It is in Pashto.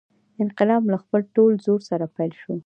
انقلاب له خپل ټول زور سره پیل شو.